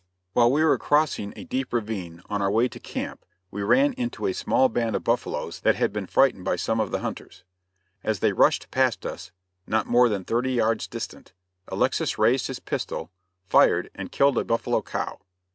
While we were crossing a deep ravine, on our way to camp, we ran into a small band of buffaloes that had been frightened by some of the hunters. As they rushed past us, not more than thirty yards distant, Alexis raised his pistol, fired and killed a buffalo cow.